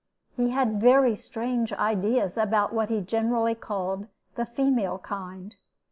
He had very strange ideas about what he generally called "the female kind."